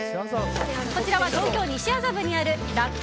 こちらは東京・西麻布にある楽観